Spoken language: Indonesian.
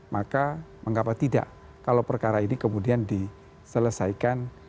maka mengapa tidak kalau perkara ini kemudian diselesaikan